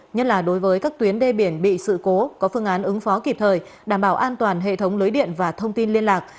nhất là đối với các tuyến đê biển bị sự cố có phương án ứng phó kịp thời đảm bảo an toàn hệ thống lưới điện và thông tin liên lạc